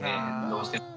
どうしても。